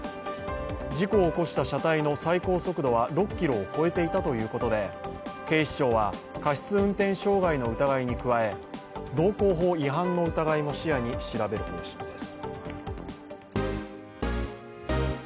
事故を起こした車体の最高速度は６キロを超えていたということで警視庁は過失運転傷害の疑いに加え、道交法違反の疑いも視野に調べる方針です。